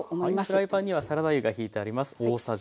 フライパンにはサラダ油がひいてあります。